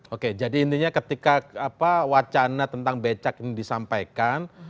oke jadi intinya ketika wacana tentang becak ini disampaikan